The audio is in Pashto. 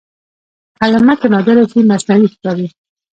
کلمه که نادره شي مصنوعي ښکاري.